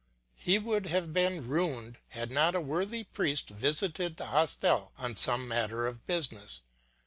He would have been ruined had not a worthy priest visited the hostel on some matter of business.